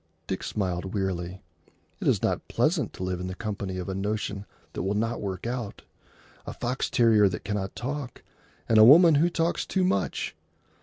Dick smiled wearily. It is not pleasant to live in the company of a notion that will not work out, a fox terrier that cannot talk, and a woman who talks too much.